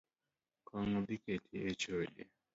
Kong’o dhi keti echode